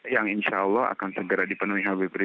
yang insya allah akan segera dipenuhi habib rizik sihab